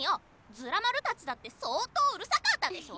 ずら丸たちだって相当うるさかったでしょ！